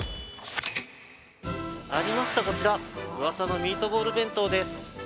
ありました、こちらうわさのミートボール弁当です。